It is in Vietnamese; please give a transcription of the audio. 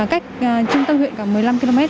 cách trung tâm huyện cả một mươi năm km